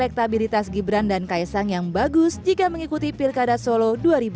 elektabilitas gibran dan kaisang yang bagus jika mengikuti pilkada solo dua ribu dua puluh